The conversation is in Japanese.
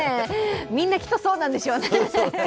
みんなきっとそうなんでしょうね。